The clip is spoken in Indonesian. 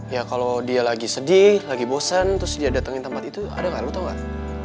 ya kalau dia lagi sedih lagi bosan terus dia datengin tempat itu ada gak lu tau gak